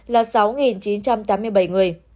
là sáu chín trăm tám mươi bảy người